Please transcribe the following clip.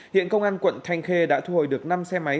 hiện công an quận thanh khê đã thu hồi được năm xe máy